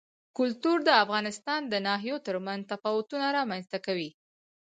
کلتور د افغانستان د ناحیو ترمنځ تفاوتونه رامنځ ته کوي.